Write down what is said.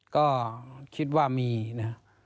ก็คิดว่ามีนะ